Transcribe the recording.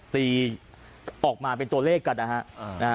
ตีออกมาเป็นตัวเลขกันนะฮะ